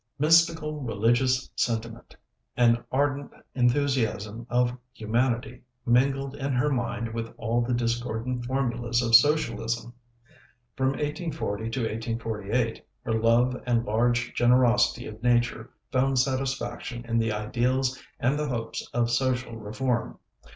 Mystical religious sentiment, an ardent enthusiasm of humanity, mingled in her mind with all the discordant formulas of socialism. From 1840 to 1848 her love and large generosity of nature found satisfaction in the ideals and the hopes of social reform.